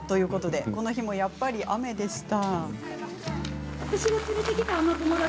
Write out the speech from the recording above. この日もやっぱり雨でした。